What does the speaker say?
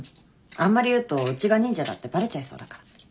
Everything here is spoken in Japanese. あんまり言うとうちが忍者だってバレちゃいそうだから。